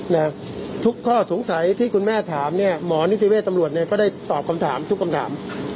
นะทุกข้อสงสัยที่คุณแม่ถามเนี่ยหมอนิติเวศตำรวจเนี่ยก็ได้ตอบคำถามทุกคำถาม